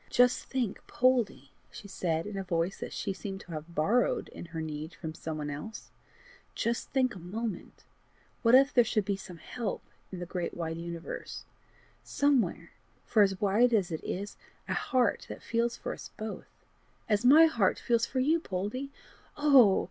"Just think, Poldie," she said, in a voice which she seemed to have borrowed in her need from some one else, " just think a moment! What if there should be some help in the great wide universe somewhere, for as wide as it is a heart that feels for us both, as my heart feels for you, Poldie! Oh!